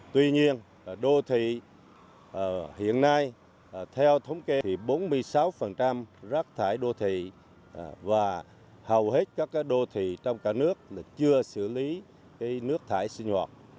tuy nhiên đô thị hiện nay theo thống kê thì bốn mươi sáu rác thải đô thị và hầu hết các đô thị trong cả nước chưa xử lý nước thải sinh hoạt